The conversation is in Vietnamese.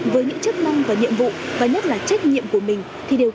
với những chức năng và nhiệm vụ và nhất là trách nhiệm của mình